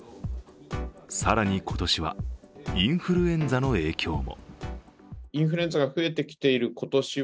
更に、今年はインフルエンザの影響も。